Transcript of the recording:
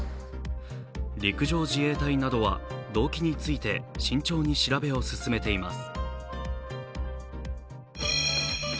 陸上自衛隊などは、動機について慎重に調べを進めています。